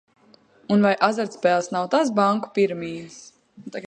"Un vai azartspēles nav tās "banku piramīdas"?"